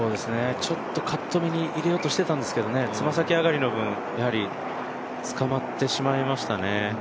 ちょっとカット目に入れようとしてたんですけど爪先上がりの分、つかまってしまいましたね。